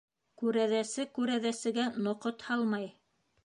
Күрәҙәсе күрәҙәсегә ноҡот һалмай.